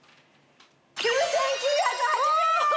９９８０円！